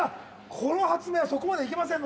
この発明はそこまでいけませんので。